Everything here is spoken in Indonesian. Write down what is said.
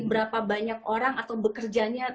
berapa banyak orang atau bekerjanya